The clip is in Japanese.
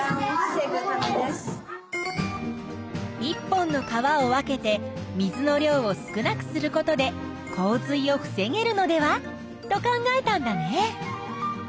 １本の川を分けて水の量を少なくすることで洪水を防げるのではと考えたんだね。